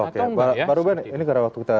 atau nggak ya baru ben ini karena waktu kita